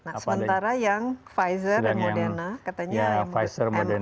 nah sementara yang pfizer moderna katanya mrna itu menggunakan